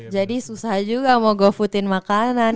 jadi susah juga mau gue putin makanan